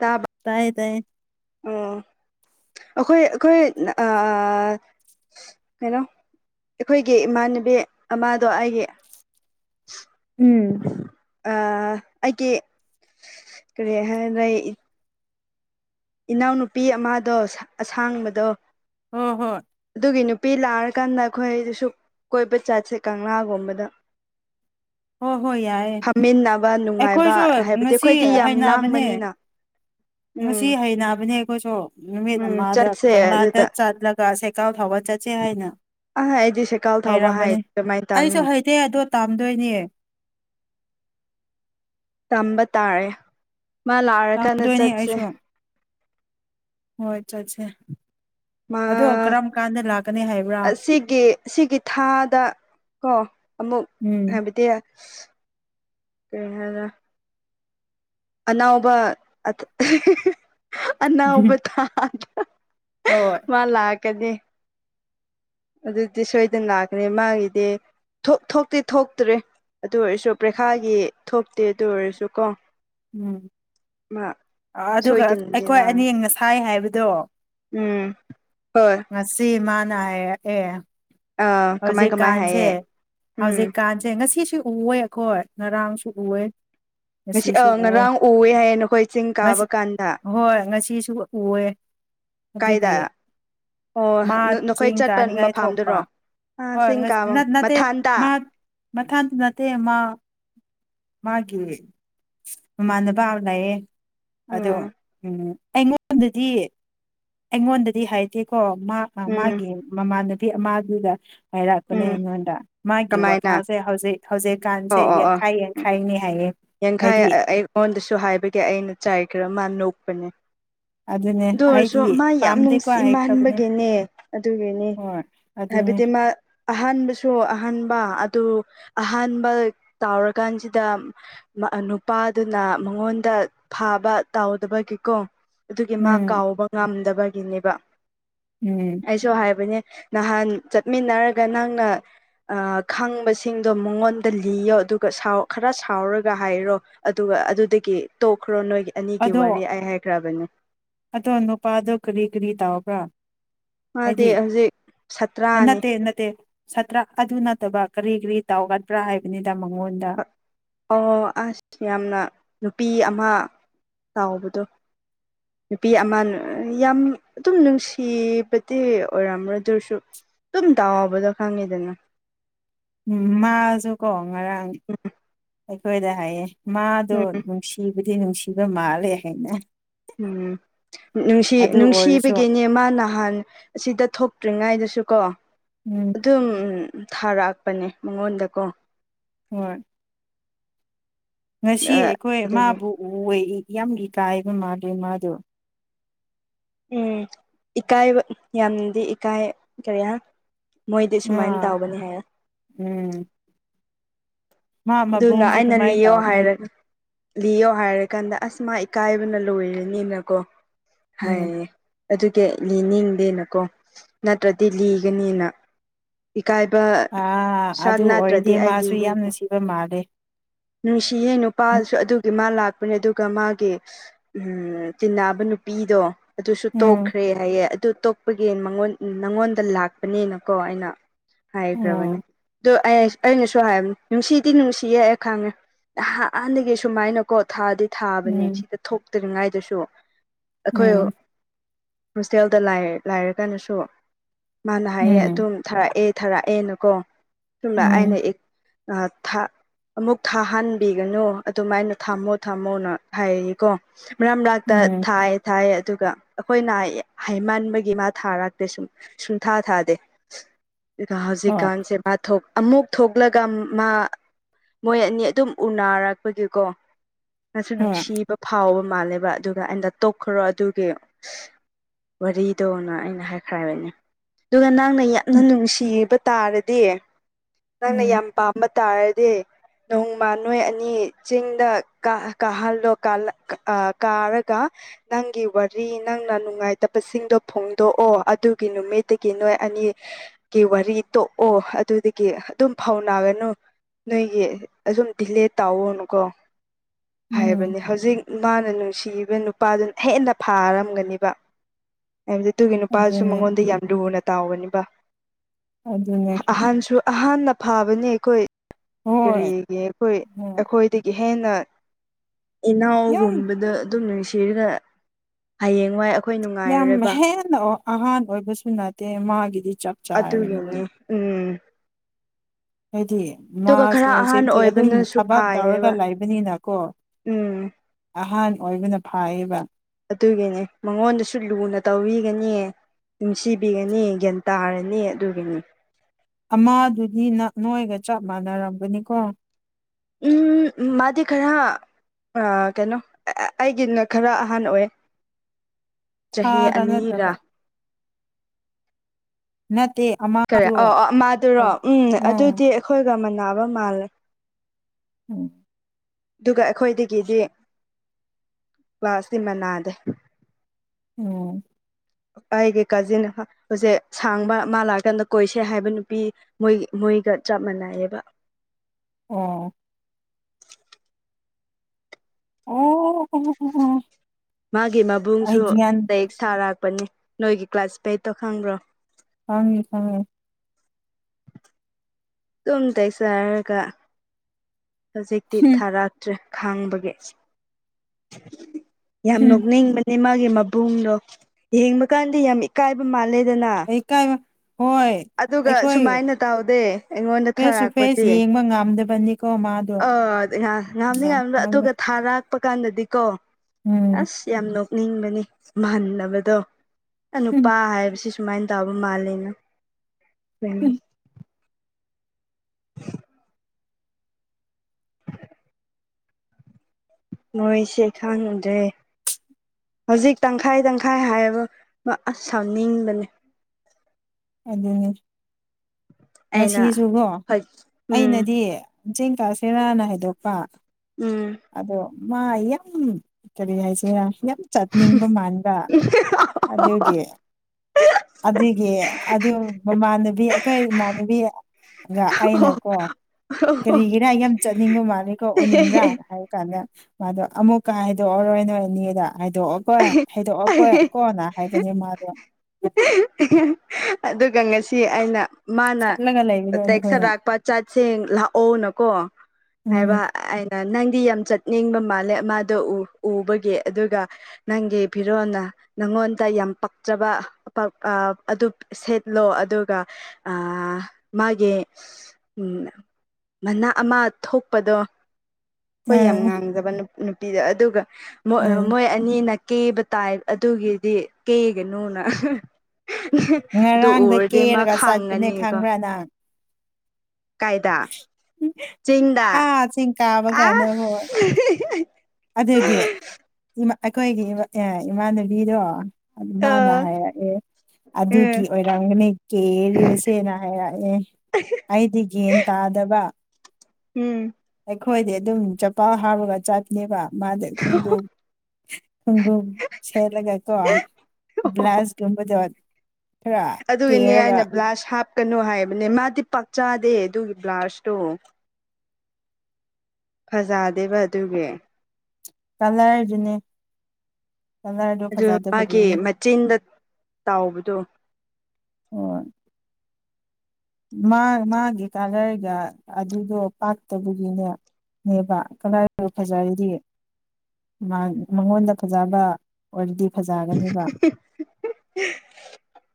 ꯇꯥꯕꯥ ꯇꯥꯏꯌꯦ ꯇꯥꯏꯌꯦ ꯑꯣ ꯑꯩꯈꯣꯏ ꯑꯩꯈꯣꯏ ꯅ ꯑ ꯀꯩꯅꯣ ꯑꯩꯈꯣꯏꯒꯤ ꯏꯃꯥꯟꯅꯕꯤ ꯑꯃꯗꯣ ꯑꯩꯒꯤ [unintelligible] ꯎꯝ ꯑ ꯑꯩꯀꯤ ꯀꯔꯤ ꯍꯥꯏꯅ ꯑꯩ ꯏꯅꯥꯎꯅꯨꯄꯤ ꯑꯃꯗꯣ ꯁꯥ ꯑꯁꯥꯡꯕꯗꯣ ꯍꯣꯏ ꯍꯣꯏ ꯑꯗꯨꯒꯤ ꯅꯨꯄꯤ ꯂꯥꯛꯔ ꯀꯟꯗ ꯑꯩꯈꯣꯏꯗꯁꯨ ꯀꯣꯏꯕ ꯆꯥꯠꯁꯦ ꯀꯪꯂꯥꯒꯨꯝꯕꯗ ꯍꯣꯏ ꯍꯣꯏ ꯌꯥꯏꯦ ꯐꯝꯃꯤꯟꯅꯕ ꯅꯨꯡꯉꯥꯏꯕ ꯑꯩꯈꯣꯏꯁꯨ ꯍꯥꯏꯕꯗꯤ ꯉꯁꯤ ꯑꯩꯈꯣꯏꯗꯤ ꯌꯥꯝ ꯍꯥꯏꯅꯕꯅꯦ ꯂꯥꯡꯕꯅꯤꯅ ꯎꯝ ꯉꯁꯤ ꯍꯩꯅꯕꯅꯦ ꯑꯩꯈꯣꯏꯁꯨ ꯅꯨꯃꯤꯠ ꯎꯝ ꯑꯃꯗ ꯆꯠꯁꯦ ꯀꯪꯂꯥꯗ ꯑꯗꯨꯗ ꯆꯠꯂ ꯁꯩꯀꯥꯜ ꯊꯥꯎꯕ ꯆꯠꯁꯦ ꯍꯥꯏꯅ ꯑ ꯑꯩꯗꯤ ꯁꯦꯀꯥꯜ ꯊꯧꯕ ꯍꯥꯏ ꯍꯥꯏꯔꯝꯕꯅꯤ ꯀꯃꯥꯏꯅ ꯇꯧꯅꯤ ꯑꯩꯁꯨ ꯍꯩ ꯇꯦ ꯑꯗꯣ ꯇꯥꯝꯗꯣꯏꯅꯦ ꯇꯝꯕ ꯇꯥꯔꯦ ꯃꯥ ꯂꯥꯛꯔꯀꯥꯟꯗ ꯇꯝꯗꯣꯏꯅꯦ ꯆꯠꯁꯦ ꯑꯩꯁꯨ ꯍꯣꯏ ꯆꯠꯁꯦ ꯃꯥ ꯑꯗꯣ ꯀ꯭ꯔꯝ ꯀꯥꯟꯗ ꯂꯥꯛ ꯀꯅꯦ ꯍꯥꯏꯕ꯭ꯔꯥ ꯑꯁꯤꯒꯤ ꯁꯤꯒꯤ ꯊꯥꯗ ꯀꯣ ꯑꯃꯨꯛ ꯎꯝ ꯍꯥꯏꯕꯗꯤ ꯀꯔꯤ ꯍꯥꯏꯗ ꯑꯅꯥꯎꯕ [unintelligible] ꯑꯅꯥꯎꯕ ꯊꯥꯗ ꯍꯣꯏ ꯃꯥ ꯂꯥꯛ ꯀꯅꯤ ꯑꯗꯨꯗꯤ ꯁꯣꯏꯗꯅ ꯂꯥꯛꯀꯅꯤ ꯃꯥꯒꯤꯗꯤ ꯊꯣꯛ ꯊꯣꯛꯇꯤ ꯊꯣꯛꯇ꯭ꯔꯦ ꯑꯗꯨ ꯑꯣꯏꯔꯁꯨ ꯄꯔꯤꯈꯥꯒꯤ ꯊꯣꯛꯇꯦ ꯑꯗꯨ ꯑꯣꯏꯔꯁꯨ ꯀꯣ ꯎꯝ ꯃꯥ ꯑꯗꯨꯒ ꯁꯣꯏꯗꯅꯗꯤ ꯑꯩꯈꯣꯏ ꯂꯥꯛ ꯑꯅꯤ ꯉꯁꯥꯏ ꯍꯥꯏꯕꯗꯣ ꯎꯝ ꯍꯣꯏ ꯉꯁꯤ ꯃꯥꯅ ꯍꯥꯏꯔꯛꯑꯦ ꯑꯥ ꯀꯃꯥꯏ ꯀꯃꯥꯏ ꯍꯧꯖꯤꯛꯀꯥꯟꯁꯦ ꯍꯥꯏꯌꯦ ꯎꯝ ꯍꯧꯖꯤꯛꯀꯥꯟꯁꯤꯦ ꯁꯁꯦ ꯉꯁꯤꯁꯨ ꯎꯋꯦ ꯑꯩꯈꯣꯏ ꯉꯔꯥꯡꯁꯨ ꯎꯋꯦ ꯉꯁꯤ ꯉꯁꯤꯁꯨ ꯑ ꯑꯣꯏ ꯉꯔꯥꯡ ꯎꯑꯦ ꯍꯥꯏꯌꯦ ꯅꯈꯣꯏ ꯆꯤꯡ ꯉꯁꯤ ꯀꯥꯕ ꯀꯥꯟꯗ ꯍꯣꯏ ꯉꯁꯤꯁꯨ ꯑꯣꯏꯌꯦ ꯑꯗꯨꯒꯤ ꯀꯥꯏꯗ ꯑꯣ ꯃꯥ ꯅꯈꯣꯏ ꯆꯦꯡ ꯆꯠꯄ ꯀꯥꯅꯤꯡꯉꯥꯏ ꯊꯣꯛꯄ ꯃꯐꯝꯗꯨꯔꯣ ꯑ ꯍꯣꯏ ꯆꯤꯡ ꯀꯥꯕ ꯅꯦ ꯃꯊꯥꯟꯇ ꯃꯥ ꯃꯊꯪꯗ ꯅꯠꯇꯦ ꯃꯥ ꯃꯥꯒꯤ ꯃꯃꯥꯟꯅꯕ ꯑꯃ ꯂꯩꯌꯦꯦ ꯑꯗꯣ ꯎꯝ ꯎꯝ ꯑꯩꯉꯣꯟ ꯑꯩꯉꯣꯟꯗꯗꯤ ꯑꯩꯉꯣꯟꯗꯗꯤ ꯍꯥꯏꯗꯦꯀꯣ ꯃꯥꯅ ꯎꯝ ꯃꯥꯒꯤ ꯃꯃꯥꯟꯅꯕꯤ ꯑꯃꯗꯨꯒ ꯍꯥꯏꯔꯛꯄꯅꯦ ꯎꯝ ꯑꯩꯉꯣꯟꯗ ꯃꯥꯒꯤ ꯀꯃꯥꯏꯅ ꯋꯥꯈꯜꯁꯦ ꯍꯧꯖꯤꯛ ꯍꯧꯖꯤꯛꯀꯥꯟꯁꯦ ꯌꯥꯡꯈꯥꯏ ꯈꯥꯏꯅꯤ ꯍꯥꯏꯌꯦ ꯌꯥꯡꯈꯩ ꯍꯥꯏꯗꯤ ꯑꯩ ꯑꯩꯉꯣꯟꯗꯁꯨ ꯍꯥꯏꯕꯒꯤ ꯑꯩꯅ ꯆꯥꯏꯈ꯭ꯔꯦ ꯃꯥ ꯅꯣꯛꯄꯅꯦ ꯑꯗꯨꯅꯦ ꯗꯨ ꯑꯩꯗꯤ ꯑꯣꯏꯔꯁꯨ ꯃꯥ ꯌꯥꯝ ꯄꯥꯝꯗꯦꯀꯣ ꯅꯨꯡꯁꯤ ꯍꯥꯏꯈ꯭ꯔꯕꯅꯦ ꯃꯥꯟꯕꯒꯤꯅꯦ ꯑꯗꯨꯒꯤꯅꯦ ꯍꯣꯏ ꯑꯗꯨꯅꯦ ꯍꯥꯏꯕꯗꯤ ꯃꯥ ꯑꯍꯥꯟꯕꯁꯨ ꯑꯍꯥꯟꯕ ꯑꯗꯨ ꯑꯍꯥꯟꯕ ꯇꯥꯎꯔꯀꯥꯟꯁꯤꯗ ꯃꯥ ꯅꯨꯄꯥꯗꯨꯅ ꯃꯉꯣꯟꯗ ꯐꯥꯕ ꯇꯥꯎꯗꯕꯒꯤꯀꯣ ꯑꯗꯨꯒꯤ ꯃꯥ ꯎꯝ ꯀꯥꯎꯕ ꯉꯝꯗꯕꯒꯤꯅꯦꯕ ꯎꯝ ꯑꯩꯁꯨ ꯍꯥꯏꯕꯅꯦ ꯅꯍꯥꯟ ꯆꯠꯃꯤꯟꯅꯔꯒ ꯅꯪꯅ ꯑꯥ ꯈꯪꯕꯁꯤꯡꯗꯣ ꯃꯉꯣꯟꯗ ꯂꯤꯌꯣ ꯑꯗꯨꯒ ꯁꯥꯎ ꯈꯔ ꯁꯥꯎꯔꯒ ꯍꯥꯏꯔꯣ ꯑꯗꯨꯒ ꯑꯗꯨꯗꯒꯤ ꯇꯣꯛꯈ꯭ꯔꯣ ꯅꯣꯏꯒꯤ ꯑꯅꯤꯒꯤ ꯑꯗꯣ ꯋꯥꯔꯤ ꯑꯩ ꯍꯥꯏꯈ꯭ꯔꯕꯅꯦ ꯑꯗꯣ ꯅꯨꯄꯥꯗꯣ ꯀꯔꯤ ꯀꯔꯤ ꯇꯥꯎꯕ꯭ꯔꯥ ꯃꯥꯗꯤ ꯍꯥꯏꯗꯤ ꯍꯧꯖꯤꯛ ꯁꯥꯇ꯭ꯔꯥꯅꯤ ꯅꯠꯇꯦ ꯅꯠꯇꯦ ꯁꯥꯇ꯭ꯔ ꯑꯗꯨ ꯅꯠꯇꯕ ꯀꯔꯤ ꯀꯔꯤ ꯇꯧꯒꯠꯕ꯭ꯔꯥ ꯍꯥꯏꯕꯅꯤꯗ ꯃꯉꯣꯟꯗ ꯑꯣ ꯑꯁ ꯌꯥꯝꯅ ꯅꯨꯄꯤ ꯑꯃ ꯇꯥꯎꯕꯗꯣ ꯅꯨꯄꯤ ꯑꯃ ꯌꯥꯝ ꯑꯗꯨꯝ ꯅꯨꯡꯁꯤꯕꯗꯤ ꯑꯣꯏꯔꯝꯃ꯭ꯔ ꯑꯗꯨꯔꯁꯨ ꯑꯗꯨꯝ ꯇꯥꯎꯕꯗꯣ ꯈꯪꯉꯤꯗꯅ ꯎꯝ ꯃꯥꯁꯨꯀꯣ ꯉꯔꯥꯡ ꯎꯝ ꯑꯩꯈꯣꯏꯗ ꯍꯥꯏꯌꯦ ꯃꯥꯗꯣ ꯎꯝ ꯅꯨꯡꯁꯤꯕꯗꯤ ꯅꯨꯡꯁꯤꯕ ꯃꯥꯜꯂꯦ ꯍꯥꯏꯅ ꯎꯝ ꯅꯨꯡꯁꯤ ꯑꯗꯨ ꯑꯣꯏꯔꯁꯨ ꯅꯨꯡꯁꯤꯕꯒꯤꯅꯦ ꯃꯥ ꯅꯍꯥꯟ ꯑꯁꯤꯗ ꯊꯣꯛꯇ꯭ꯔꯤꯉꯥꯏꯗꯁꯨ ꯀꯣ ꯎꯝ ꯑꯗꯨꯝ ꯊꯥꯔꯛꯄꯅꯦ ꯃꯉꯣꯟꯗꯀꯣ ꯍꯣꯏ ꯉꯁꯤ ꯑꯩꯈꯣꯏ ꯑꯗꯨꯒꯤ ꯃꯥꯕꯨ ꯎ ꯎꯋꯦ ꯌꯥꯝ ꯏꯀꯥꯏꯕ ꯃꯥꯜꯂꯦ ꯃꯥꯗꯣ ꯎꯝ ꯏꯀꯥꯏꯕ ꯌꯥꯝꯅꯗꯤ ꯏꯀꯥꯏ ꯀꯔꯤꯔ ꯃꯣꯏꯗꯤ ꯁꯨꯃꯥꯏꯅ ꯑꯥ ꯇꯥꯎꯕꯅꯤ ꯍꯥꯏꯌꯦ ꯎꯝ ꯃꯥ ꯑꯗꯨꯅ ꯃꯕꯨꯡꯁꯨ ꯑꯩꯅ ꯑꯗꯨꯃꯥꯏꯅ ꯂꯤꯌꯣ ꯇꯧꯕꯅꯦ ꯍꯥꯏꯔꯒ ꯂꯤꯌꯣ ꯍꯥꯏꯔꯀꯥꯟꯗ ꯑꯁ ꯃꯥ ꯏꯀꯥꯏꯕꯅ ꯂꯣꯏꯔꯅꯤꯅꯀꯣ ꯎꯝ ꯍꯥꯏꯌꯦ ꯑꯗꯨꯒꯤ ꯂꯤꯅꯤꯡꯗꯦꯅꯀꯣ ꯅꯠꯇ꯭ꯔꯗꯤ ꯂꯤꯒꯅꯤꯅ ꯏꯀꯥꯏꯕ ꯑꯥ ꯁꯛ ꯅꯠꯇ꯭ꯔꯗꯤ ꯑꯩ ꯂꯤꯅꯤꯡ ꯕ ꯃꯥꯜꯂꯦ ꯅꯨꯡꯁꯤꯌꯦ ꯎꯝ ꯅꯨꯄꯥꯁꯨ ꯑꯗꯨꯒꯤ ꯃꯥ ꯂꯥꯛ ꯄꯅꯦ ꯑꯗꯨꯒ ꯃꯥꯒꯤ ꯎꯝ ꯇꯤꯟꯅꯕ ꯅꯨꯄꯤꯗꯣ ꯑꯗꯨꯁꯨ ꯎꯝ ꯇꯣꯛꯈ꯭ꯔꯦ ꯌꯥꯏꯌꯦ ꯑꯗꯨ ꯇꯣꯛꯄꯒꯤ ꯃꯥꯉꯣꯟ ꯅꯪꯉꯣꯟꯗ ꯂꯥꯛꯄꯅꯤꯅꯀꯣ ꯑꯩꯅ ꯍꯥꯏꯈ꯭ꯔꯕꯅꯦ ꯎꯝ ꯗꯣ ꯑꯏꯁ ꯑꯩꯅꯁꯨ ꯍꯥꯏꯕꯅꯤ ꯅꯨꯡꯁꯤꯗꯤ ꯅꯨꯡꯁꯤꯌꯦ ꯈꯪꯉꯦ ꯍꯥ ꯍꯥꯟꯅꯒꯤ ꯁꯨꯃꯥꯏꯅ ꯀꯣ ꯊꯥꯗꯤ ꯊꯥꯕꯅꯦ ꯁꯤꯗ ꯊꯣꯛꯇ꯭ꯔꯤꯉꯥꯏꯗꯁꯨ ꯑꯩꯈꯣꯏ ꯎꯝ ꯍꯣꯁꯇꯦꯜꯗ ꯂꯥꯏꯔ ꯂꯥꯏꯔꯀꯥꯟꯗꯁꯨ ꯃꯥꯅ ꯍꯥꯏꯌꯦ ꯎꯝ ꯑꯗꯨꯝ ꯊꯥꯔꯛꯑꯦ ꯊꯥꯔꯛꯑꯦꯅꯀꯣ ꯇꯨꯝꯅ ꯑꯩꯅ ꯎꯝ ꯑ ꯊꯥ ꯑꯃꯨꯛ ꯊꯥꯍꯟꯕꯤꯒꯅꯨ ꯑꯗꯨꯃꯥꯏꯅ ꯊꯝꯃꯣ ꯊꯝꯃꯣꯅ ꯍꯥꯏꯌꯦꯌꯦꯀꯣ ꯃꯔꯛ ꯃꯔꯛꯇ ꯎꯝ ꯊꯥꯏ ꯊꯥꯏ ꯑꯗꯨꯒ ꯑꯈꯣꯏꯅ ꯍꯩ ꯍꯥꯏꯃꯟꯕꯒꯤ ꯃꯥ ꯊꯥꯔꯛꯇꯦ ꯁꯨꯝ ꯁꯨꯡ ꯊꯥ ꯊꯥꯗꯦ ꯑꯗꯨꯒ ꯍꯣꯏ ꯍꯧꯖꯤꯛꯀꯥꯟꯁꯦ ꯃꯥ ꯊꯣꯛ ꯑꯃꯨꯛ ꯊꯣꯛꯂꯒ ꯃꯥ ꯃꯣꯏ ꯑꯅꯤ ꯑꯗꯨꯝ ꯎꯅꯔꯛꯄꯒꯤꯀꯣ ꯃꯥꯁꯨ ꯍꯣꯏ ꯅꯨꯡꯁꯤꯕ ꯐꯥꯎꯕ ꯃꯥꯜꯂꯦꯕ ꯑꯗꯨꯒ ꯑꯩꯅ ꯇꯣꯛꯈ꯭ꯔꯣ ꯑꯗꯨꯒꯤ ꯋꯥꯔꯤꯗꯣꯅ ꯑꯩꯅ ꯍꯥꯏꯈ꯭ꯔꯕꯅꯤ ꯑꯗꯨꯒ ꯅꯪ ꯅꯪꯅ ꯌꯥꯝꯅ ꯅꯨꯡꯁꯤꯕ ꯇꯥꯔꯗꯤ ꯅꯪꯅ ꯎꯝ ꯌꯥꯝ ꯄꯥꯝꯕ ꯇꯥꯔꯗꯤ ꯅꯣꯡꯃ ꯅꯣꯏ ꯑꯅꯤ ꯆꯤꯡꯗ ꯀꯥꯍꯜꯂꯣ ꯀꯥꯔꯒ ꯅꯪꯒꯤ ꯋꯥꯔꯤ ꯅꯪꯅ ꯅꯨꯡꯉꯥꯏꯇꯕꯁꯤꯡꯗꯣ ꯐꯣꯡꯗꯣꯛꯑꯣ ꯑꯗꯨꯒꯤ ꯅꯨꯃꯤꯠꯇꯒꯤ ꯅꯣꯏ ꯑꯅꯤ ꯒꯤ ꯋꯥꯔꯤ ꯇꯣꯛꯑꯣ ꯑꯗꯨꯗꯒꯤ ꯑꯗꯨꯝ ꯐꯧ ꯅꯥꯒꯅꯨ ꯅꯣꯏꯒꯤ ꯑꯗꯨꯝ ꯗꯤꯂꯦ ꯇꯥꯎꯋꯅꯨꯀꯣ ꯎꯝ ꯍꯥꯏꯕꯅꯤ ꯍꯧꯖꯤꯛ ꯃꯥꯅ ꯅꯨꯡꯁꯤꯕ ꯅꯨꯄꯥꯗꯨꯅ ꯍꯦꯟꯅ ꯐꯥꯔꯝꯒꯅꯦꯕ ꯍꯥꯏꯕꯗꯤ ꯇꯨꯒꯤ ꯅꯨꯄꯥꯁꯨ ꯑꯗꯨꯅꯦ ꯃꯉꯣꯟꯗ ꯌꯥꯝ ꯂꯨꯅ ꯇꯥꯎꯒꯅꯤꯕ ꯑꯗꯨꯅꯦ ꯑꯍꯥꯟꯁꯨ ꯑꯍꯟꯅ ꯐꯥꯕꯅꯦ ꯑꯩꯈꯣꯏ ꯍꯣꯏ ꯀꯔꯤꯒꯤ ꯑꯩꯈꯣꯏ ꯎꯝ ꯑꯩꯈꯣꯏꯗꯒꯤ ꯍꯦꯟꯅ ꯌꯥꯝ ꯏꯅꯥꯎꯒꯨꯝꯕꯗ ꯑꯗꯨꯝ ꯅꯨꯡꯁꯤꯔꯒ ꯍꯌꯦꯡꯋꯥꯏ ꯑꯩꯈꯣꯏ ꯌꯥꯝ ꯅꯨꯡꯉꯥꯏꯔꯔꯣꯏꯕ ꯍꯦꯟꯅ ꯑꯍꯥꯟ ꯑꯣꯏꯕꯁꯨ ꯅꯠꯇꯦ ꯃꯥꯒꯤꯗꯤ ꯆꯞ ꯆꯥꯔꯦ ꯑꯗꯨꯒꯤꯅꯦ ꯑꯗꯨꯝ ꯎꯝ ꯍꯥꯏꯗꯤ ꯑꯗꯨꯒ ꯃꯥꯁꯨ ꯈꯔ ꯑꯍꯥꯟ ꯍꯧꯖꯤꯛꯇꯤ ꯑꯗꯨꯝ ꯑꯣꯏꯕꯅꯁꯨ ꯊꯕꯛ ꯇꯧꯔꯒ ꯐꯥꯏꯌꯦꯕ ꯂꯩꯕꯅꯤꯅꯀꯣ ꯎꯝ ꯑꯍꯥꯟ ꯑꯣꯏꯕꯅ ꯐꯥꯏꯕ ꯑꯗꯨꯒꯤꯅꯦ ꯃꯉꯣꯟꯗꯁꯨ ꯂꯨꯅ ꯇꯧꯕꯤꯒꯅꯤ ꯅꯨꯡꯁꯤꯕꯤꯒꯅꯤ ꯒ꯭ꯌꯥꯟ ꯇꯥꯔꯅꯤ ꯑꯗꯨꯒꯤꯅꯤ ꯑꯃꯗꯨꯗꯤ ꯅꯣꯏꯒ ꯆꯞ ꯃꯥꯟꯅꯔꯝꯒꯅꯤꯀꯣ ꯎꯝ ꯃꯥꯗꯤ ꯈꯔ ꯀꯩꯅꯣ ꯑꯩꯒꯤꯅ ꯈꯔ ꯑꯍꯥꯟ ꯑꯣꯏꯌꯦ ꯆꯍꯤ ꯊꯥꯗ ꯑꯅꯤꯔꯥ ꯅꯠꯇ꯭ꯔꯒ ꯅꯠꯇꯦ ꯑꯃ ꯀꯔꯦ ꯑꯣ ꯑꯃꯥꯗꯨꯔꯣ ꯎꯝ ꯑꯗꯨꯗꯤ ꯑꯩꯈꯣꯏꯒ ꯃꯅꯥꯕ ꯃꯥꯜꯂꯦ ꯎꯝ ꯑꯗꯨꯒ ꯑꯩꯈꯣꯏꯗꯒꯤꯗꯤ ꯀ꯭ꯂꯥꯁꯇꯤ ꯃꯅꯥꯗꯦ ꯎꯝ ꯑꯩꯒꯤ ꯀꯥꯖꯤꯟ ꯍꯧꯖꯤꯛ ꯁꯥꯡꯕ ꯃꯥ ꯂꯥꯛꯀꯥꯟꯗ ꯀꯣꯏꯁꯦ ꯍꯥꯏꯕ ꯅꯨꯄꯤ ꯃꯣꯏ ꯃꯣꯏꯒ ꯆꯞ ꯃꯥꯟꯅꯩꯌꯦꯕ ꯑꯣ ꯑꯣ ꯃꯥꯒꯤ ꯑꯩ ꯃꯕꯨꯡꯁꯨ ꯒ꯭ꯌꯥꯟ ꯇꯦꯛꯁ ꯊꯥꯔꯛꯄꯅꯦ ꯅꯣꯏꯒꯤ ꯀ꯭ꯂꯥꯁꯃꯦꯠꯇꯣ ꯈꯪꯕ꯭ꯔꯣ ꯈꯪꯉꯦ ꯈꯪꯉꯦ ꯗꯨꯝ ꯇꯦꯛꯁ ꯁꯥꯔꯒ ꯍꯧꯖꯤꯛꯇꯤ ꯊꯥꯔꯛꯇ꯭ꯔꯦ ꯈꯥꯡꯕꯒꯤ ꯌꯥꯝ ꯎꯝ ꯅꯣꯛꯅꯤꯡꯕꯅꯦ ꯃꯥꯒꯤ ꯃꯕꯨꯡꯗꯣ ꯌꯦꯡꯕ ꯀꯥꯟꯗ ꯌꯥꯝ ꯏ ꯀꯥꯏꯕ ꯃꯥꯜꯂꯦꯗꯅ ꯀꯩ ꯏꯀꯥꯏꯕ ꯍꯣꯏ ꯑꯗꯨꯒ ꯑꯩꯈꯣꯏ ꯁꯨꯃꯥꯏꯅ ꯇꯧꯗꯦ ꯑꯩꯉꯣꯟꯗ ꯐꯦꯁ ꯇꯨ ꯐꯦꯁ ꯊꯥꯔꯛꯄꯗꯤ ꯌꯦꯡꯕ ꯉꯝꯗꯕꯅꯤ ꯀꯣ ꯃꯥꯗꯣ ꯑ ꯉꯥꯝꯗꯤ ꯉꯥꯝꯕ ꯑꯗꯨꯒ [unintelligible] ꯊꯥꯔꯛꯄ ꯀꯥꯟꯗꯗꯤꯀꯣ ꯎꯝ ꯑꯁ ꯌꯥꯝ ꯅꯣꯛꯅꯤꯡꯕꯅꯤ ꯃꯥꯟꯗꯕꯗꯣ ꯅꯨꯄꯥ ꯍꯥꯏꯕꯁꯤ ꯁꯨꯃꯥꯏꯅ ꯇꯧꯕ ꯃꯥꯜꯂꯦꯅ [inaudible] ꯅꯣꯏꯁꯦ ꯈꯪꯗ꯭ꯔꯦ ꯍꯧꯖꯤꯛ ꯇꯪꯈꯥꯏ ꯇꯪꯈꯥꯏ ꯍꯥꯏꯕ ꯑꯁ ꯁꯥꯎꯅꯤꯡꯕꯅꯦ ꯑꯗꯨꯅꯤ ꯑꯩꯅ ꯉꯁꯤꯁꯨꯀꯣ ꯍꯣꯏ ꯎꯝ ꯑꯩꯅꯗꯤ ꯆꯤꯡ ꯀꯥꯁꯦꯔꯥꯅ ꯍꯥꯏꯗꯣꯛꯄ ꯎꯝ ꯑꯗꯣ ꯃꯥ ꯌꯥꯝ ꯀꯔꯤ ꯍꯥꯏꯁꯦꯔꯥ ꯌꯥꯝ ꯆꯠꯅꯤꯡꯕ ꯃꯥꯟꯕ ꯑꯗꯨꯒꯤ ꯑꯗꯨꯒꯤ ꯑꯗꯨ ꯃꯃꯥꯟꯅꯕꯤ ꯑꯩꯈꯣꯏ ꯏꯃꯥꯟꯅꯕꯤ ꯑꯗ ꯑꯣ ꯑꯩꯅꯀꯣ꯫ ꯀꯔꯤꯒꯤꯔ ꯌꯥꯝ ꯆꯠꯅꯤꯡꯕ ꯃꯥꯜꯂꯦꯀꯣ ꯎꯅꯤꯡꯕ꯭ꯔꯥ ꯍꯥꯏꯕ ꯀꯥꯟꯗ ꯃꯥꯗꯣ ꯑꯃꯨꯛꯀ ꯍꯥꯏꯗꯣꯛꯑꯔꯣꯏ ꯅꯣꯏ ꯑꯦꯅꯤꯗ ꯍꯥꯏꯗꯣꯛꯑ ꯍꯣꯏ ꯍꯥꯏꯗꯣꯛꯑꯣ ꯀꯣꯏ ꯀꯣꯅ ꯍꯥꯏꯕꯅꯦ ꯃꯥꯗꯣ꯫ ꯑꯗꯨꯒ ꯉꯁꯤ ꯑꯩꯅ꯫ ꯃꯥꯅ ꯆꯠꯂꯒ ꯂꯩꯕꯗꯣ ꯇꯦꯛꯁ ꯑꯩꯈꯣꯏꯅ ꯊꯔꯛꯄ ꯆꯥꯠꯁꯦ ꯂꯥꯛꯑꯣꯅꯀꯣ꯫ ꯍꯥꯏꯕ ꯎꯝ ꯑꯩ ꯅꯪꯗꯤ ꯌꯥꯝ ꯆꯠꯅꯤꯡꯕ ꯃꯥꯜꯂꯦ ꯃꯥꯗꯣ ꯎꯕꯒꯤ ꯑꯗꯨꯒ ꯅꯪꯒꯤ ꯐꯤꯔꯣꯟꯜꯅ ꯅꯪꯉꯣꯟꯗ ꯌꯥꯝ ꯄꯥꯛꯆꯥꯕ ꯄꯥꯛ ꯑꯥ ꯑꯗꯨ ꯁꯦꯠꯂꯣ ꯑꯗꯨꯒ ꯑꯥ ꯃꯥꯒꯤ ꯎꯝ ꯃꯅꯥ ꯑꯃ ꯊꯣꯛꯄꯗꯣ꯫ ꯍꯣꯏ ꯌꯥꯝ ꯎꯝ ꯉꯥꯡꯗꯕ ꯅꯨꯄꯤꯗ ꯑꯗꯨꯒ ꯎꯝ ꯃꯣꯏ ꯑꯅꯤꯅ ꯀꯦꯕ ꯇꯥꯏ ꯑꯗꯨꯒꯤꯗꯤ ꯀꯦꯒꯅꯨꯅ꯫ ꯑꯗꯨ ꯉꯔꯥꯡꯗ ꯎꯔꯗꯤ ꯃꯥ ꯀꯦꯔꯒ ꯆꯠꯄꯅꯦ ꯈꯪꯉꯅꯤꯀꯣ ꯈꯪꯕ꯭ꯔꯥ ꯅꯪ ꯀꯥꯏꯗ꯫ ꯆꯤꯡꯗ꯫ ꯍꯥ ꯆꯤꯡꯀ [unintelligible] ꯑꯗꯨꯒꯤ ꯑꯩꯈꯣꯏꯒꯤ ꯑ ꯏꯃꯥꯟꯅꯕꯤꯗꯣ꯫ ꯑꯗꯨ ꯑ ꯃꯥꯅꯥ ꯍꯥꯏꯔꯛꯑꯦ꯫ ꯎꯝ ꯑꯗꯨꯒꯤ ꯑꯣꯏꯔꯝꯒꯅꯤ ꯀꯦꯂꯤꯁꯦꯅ ꯍꯥꯏꯔꯛꯑꯦ꯫ ꯑꯩꯗꯤ ꯒꯦꯟ ꯇꯥꯗꯕ꯫ ꯎꯝ꯫ ꯑꯩꯈꯣꯏꯗꯤ ꯑꯗꯨꯝ ꯆꯄꯥꯜ ꯍꯥꯞꯔꯒ ꯆꯥꯠꯄꯅꯦꯕ ꯃꯥꯗꯤ ꯈꯣꯡꯒꯨꯞ ꯈꯣꯡꯒꯨꯞ ꯁꯦꯂꯒ ꯀꯣ ꯒ꯭ꯂꯥꯁ ꯒꯨꯝꯕꯗꯣ꯫ ꯑꯗꯨꯒꯤꯅꯦ ꯑꯩꯅ ꯕ꯭ꯂꯥꯁ ꯍꯥꯞꯀꯅꯨ ꯍꯥꯏꯕꯅꯦ ꯃꯥꯗꯤ ꯄꯥꯛꯆꯥꯗꯦ ꯑꯗꯨꯒꯤ ꯕ꯭ꯂꯥꯁꯇꯣ꯫ ꯐꯖꯗꯦꯕ ꯑꯗꯨꯒꯤ꯫ ꯆꯅꯔꯗꯤꯅꯦ ꯀꯥꯗꯥꯏꯗ ꯐꯖꯗꯕꯗꯨꯅꯤ꯫ ꯆꯤꯟꯗ ꯇꯥꯎꯕꯗꯣ꯫ ꯑꯣ ꯃꯥ ꯃꯥꯒꯤ ꯀꯂꯔꯒ ꯑꯗꯨꯗꯣ ꯄꯥꯛꯇꯕꯒꯤꯅꯦ꯫ ꯅꯦꯕ ꯀꯂꯔꯗꯨ ꯐꯖꯔꯗꯤ ꯃꯉꯣꯟꯗ ꯐꯖꯕ ꯑꯣꯏꯔꯗꯤ ꯐꯖꯒꯅꯦꯕ꯫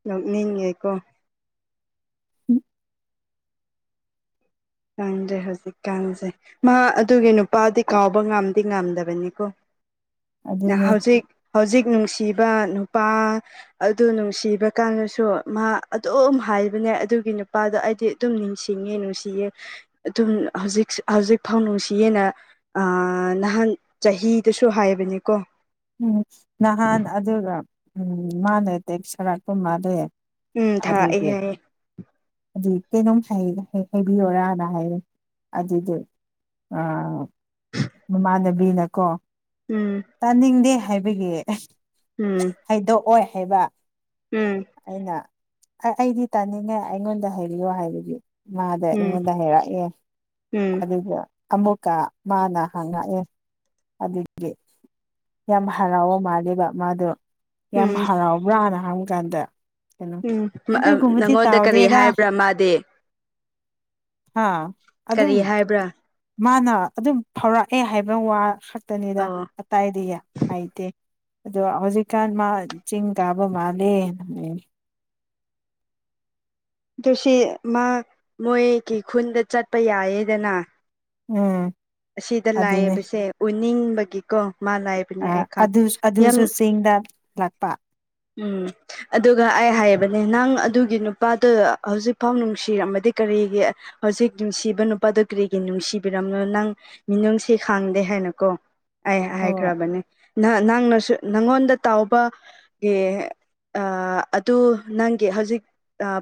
ꯅꯣꯛꯅꯤꯡꯉꯦꯀꯣ꯫ ꯈꯡꯗ꯭ꯔꯦ ꯍꯧꯖꯤꯛ ꯀꯥꯟꯁꯦ ꯃꯥ ꯑꯗꯨꯒꯤ ꯅꯨꯄꯥꯗꯤ ꯀꯥꯎꯕ ꯉꯝꯗꯤ ꯉꯝꯗꯕꯅꯤꯀꯣ꯫ ꯑꯗꯨꯅꯦ ꯍꯧꯖꯤꯛ ꯍꯧꯖꯤꯛ ꯅꯨꯡꯁꯤꯕ ꯅꯨꯄꯥ ꯑꯗꯨ ꯅꯨꯡꯁꯤꯕ ꯀꯥꯟꯗꯁꯨ ꯃꯥ ꯑꯗꯨꯝ ꯍꯥꯏꯕꯅꯦ ꯑꯗꯨꯒꯤ ꯅꯨꯄꯥꯗꯣ ꯑꯩꯗꯤ ꯑꯗꯨꯝ ꯅꯤꯡꯁꯤꯡꯉꯦ ꯅꯨꯡꯁꯤꯌꯦ ꯑꯗꯨꯝ ꯍꯧꯖꯤꯛ ꯍꯧꯖꯤꯛ ꯐꯥꯎ ꯅꯨꯡꯁꯤꯌꯦꯅ꯫ ꯑꯥ ꯅꯍꯥꯟ ꯆꯍꯤꯗꯨꯁꯨ ꯍꯥꯏꯕꯅꯤꯀꯣ꯫ ꯎꯝ ꯅꯍꯥꯟ ꯑꯗꯨꯒ ꯎꯝ ꯃꯥꯅ ꯇꯦꯛ ꯊꯔꯥꯛꯄ ꯃꯥꯜꯂꯦ꯫ ꯎꯝ ꯊꯥꯔꯛꯑꯦ ꯑꯗꯨꯒꯤ ꯍꯥꯏꯌꯦ꯫ ꯑꯗꯨ ꯀꯩꯅꯣꯝ ꯍꯥꯏꯕꯤꯌꯣꯔꯅ ꯍꯥꯏꯔꯦ ꯑꯗꯨꯏꯗꯨ ꯑ ꯃꯃꯥꯟꯅꯕꯤꯅꯀꯣ ꯎꯝ꯫ ꯇꯥꯅꯤꯡꯗꯦ ꯍꯥꯏꯕꯒꯤ꯫ ꯎꯝ꯫ ꯍꯥꯏꯗꯣꯛꯑꯣꯏ ꯍꯥꯏꯕ꯫ ꯎꯝ꯫ ꯑꯩꯅ ꯑꯩꯗꯤ ꯇꯥꯅꯤꯡꯉꯦ ꯑꯩꯉꯣꯟꯗ ꯍꯩꯕꯤꯌꯣ ꯍꯥꯏꯕꯒꯤ꯫ ꯃꯥꯗ ꯎꯝ ꯑꯩꯉꯣꯟꯗ ꯍꯥꯏꯩꯔꯛꯑꯦ ꯎꯝ ꯑꯗꯨꯒ ꯑꯃꯃꯨꯀ ꯃꯥꯅ ꯍꯥꯉꯥꯛꯑꯦ ꯑꯗꯨꯒꯤ꫰꫰ ꯌꯥꯝ ꯍꯔꯥꯎꯕ ꯃꯥꯂꯦꯕ ꯃꯥꯗꯣ ꯌꯥꯝ ꯎꯝ ꯍꯔꯥꯎꯕ꯭ꯔꯥꯅ ꯍꯥꯏꯕ ꯀꯥꯟꯗ ꯀꯩꯅꯣ ꯎꯝ ꯑꯗꯨ ꯀꯨꯝꯕꯕꯁꯤ ꯅꯪꯉꯣꯟꯗ ꯀꯔꯤ ꯇꯥꯎꯕꯗꯦꯗꯥ ꯍꯥꯏꯕ꯭ꯔꯥ ꯃꯥꯗꯤ ꯑꯥ ꯑꯗꯨ ꯑꯗꯨꯝ ꯀꯔꯤ ꯍꯥꯏꯕ꯭ꯔꯥ ꯃꯥꯅ ꯑꯗꯨꯝ ꯐꯥꯎꯔꯛꯑꯦ ꯍꯥꯏꯕ ꯋꯥ ꯈꯛꯇꯅꯤꯗ ꯑꯣ ꯑꯏꯗꯤ ꯍꯥꯏꯗꯦ ꯑꯗꯣ ꯍꯧꯖꯤꯛꯀꯥꯟ ꯃꯥ ꯆꯤꯡ ꯀꯥꯕ ꯃꯥꯜꯂꯦ ꯑꯗꯨ ꯁꯤ ꯃꯥ ꯃꯣꯏꯒꯤ ꯈꯨꯟꯗ ꯆꯠꯄ ꯌꯥꯏꯌꯦꯗꯅ ꯎꯝ ꯑꯁꯤꯗ ꯑꯗꯨꯅꯦ ꯂꯥꯏꯕꯁꯦ ꯎꯅꯤꯡꯕꯒꯤꯀꯣ ꯃꯥ ꯂꯥꯏ ꯑ ꯑꯗꯨ ꯑꯗꯨꯁꯨ ꯆꯤꯡꯗ ꯂꯥꯛꯄ ꯎꯝ ꯑꯗꯨꯒ ꯑꯩ ꯍꯥꯏꯕꯅꯦ ꯅꯪ ꯑꯗꯨꯒꯤ ꯅꯨꯄꯥꯗꯨꯣ ꯍꯧꯖꯤꯛꯐꯥꯎ ꯅꯨꯡꯁꯤꯔꯝꯃꯗꯤ ꯀꯔꯤꯒꯤ ꯍꯧꯖꯤꯛ ꯅꯨꯡꯁꯤꯕ ꯅꯨꯄꯥꯗꯣ ꯀꯔꯤꯒꯤ ꯅꯨꯡꯁꯤꯕꯤꯔꯕꯝꯅꯣ ꯅꯪ ꯃꯤꯅꯨꯡꯁꯤ ꯈꯥꯡꯗꯦ ꯍꯥꯏꯅꯀꯣ ꯑꯩ ꯍꯣꯏ ꯍꯥꯏꯈ꯭ꯔꯕꯅꯦ ꯅꯪꯅꯁꯨ ꯅꯪꯉꯣꯟꯗ ꯇꯥꯎꯕ ꯑꯦ ꯑꯗꯨ ꯅꯪꯒꯤ ꯍꯧꯖꯤꯛ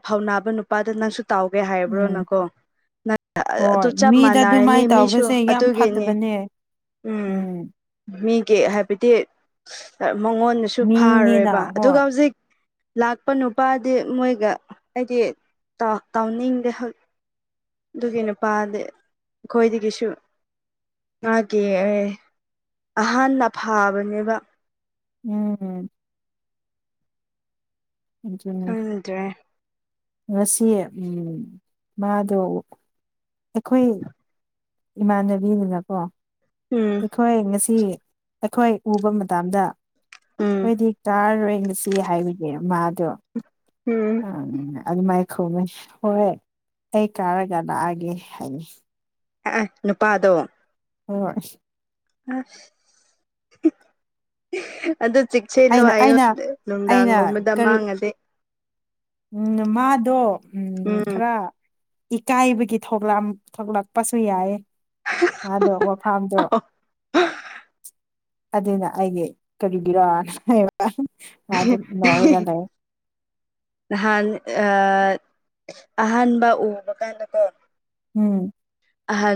ꯐꯧ ꯅꯥꯕ ꯅꯨꯄꯥꯗ ꯅꯪꯁꯨ ꯇꯥꯎꯒꯦ ꯎꯝ ꯍꯥꯏꯕ꯭ꯔꯣꯅꯀꯣ ꯑꯗꯨ ꯍꯣꯏ ꯆꯞ ꯃꯤꯗ ꯃꯥꯟꯅꯔꯅꯤ ꯑꯗꯨꯃꯥꯏꯅ ꯇꯧꯕꯁꯦ ꯃꯤꯁꯨ ꯌꯥꯝ ꯑꯗꯨꯒꯤꯅꯤ ꯐꯠꯇꯕꯅꯦ ꯎꯝ ꯃꯤꯒꯤ ꯍꯥꯏꯕꯗꯤ ꯃꯉꯣꯟꯗꯁꯨ ꯐꯥꯔꯣꯏꯕ ꯃꯤꯅꯤꯅ ꯍꯣꯏ ꯍꯧꯖꯤꯛ ꯂꯥꯛꯄ ꯅꯨꯄꯥꯗꯤ ꯃꯣꯏꯒ ꯍꯥꯏꯗꯤ ꯇꯥꯎꯅꯤꯡꯒ ꯑꯗꯨꯒꯤ ꯅꯨꯄꯥꯗꯤ ꯑꯩꯈꯣꯏꯗꯒꯤꯁꯨ ꯉꯥꯒꯤꯦ ꯑꯦ ꯑꯍꯥꯟꯅ ꯐꯥꯕꯅꯦꯕ ꯎꯝ ꯑꯗꯨꯅꯦ ꯎꯝꯗ꯭ꯔꯦ ꯉꯁꯤ ꯃꯥꯗꯣ ꯑꯩꯈꯣꯏ ꯏꯃꯥꯟꯅꯕꯤꯗꯨꯅꯀꯣ ꯎꯝ ꯑꯩꯈꯣꯏ ꯉꯁꯤ ꯑꯩꯈꯣꯏ ꯎꯕ ꯃꯇꯝꯗ ꯎꯝ ꯑꯩꯣꯏꯗꯤ ꯀꯥꯔꯔꯣꯏ ꯉꯁꯤ ꯍꯥꯏꯕꯅꯦ ꯃꯥꯗꯣ ꯎꯝ ꯎꯝ ꯑꯗꯨꯃꯥꯏ ꯈꯧꯅꯩ ꯍꯣꯏꯣꯏ ꯑꯩ ꯀꯥꯔꯒ ꯂꯥꯛꯑꯒꯦ ꯍꯥꯏ ꯑ ꯅꯨꯄꯥꯗꯣ ꯍꯣꯏꯣꯏ ꯑ ꯑꯗꯨꯗ ꯆ ꯁꯦꯂꯨ ꯑꯩꯅ ꯍꯥꯏꯌꯨ ꯑꯩꯅ ꯑꯩꯅ ꯅꯨꯡꯗꯥꯡꯒꯨꯝꯕꯗ ꯀꯔꯤ ꯃꯥꯡꯉꯁꯦ ꯎꯝ ꯃꯥꯗꯣ ꯎꯝ ꯈꯔ ꯏꯀꯥꯏꯕꯒꯤ ꯊꯣꯛꯂꯛꯄꯁꯨ ꯌꯥꯏ ꯋꯥꯗꯣ ꯋꯥꯐꯥꯝꯗꯣ ꯑꯗꯨꯅ ꯑꯩꯗꯤ ꯀꯔꯤꯒꯤꯔꯣꯅꯕ ꯅꯍꯥꯟ ꯑ ꯑꯍꯥꯟꯕ ꯎꯕ ꯀꯥꯟꯗꯀꯣ ꯎꯝ ꯑꯍꯜ [unintelligible]